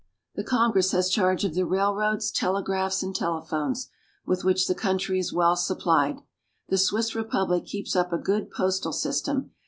The Congress has charge of the railroads, telegraphs, and telephones, with which the country is well supplied. The Swiss republic keeps up a good postal system.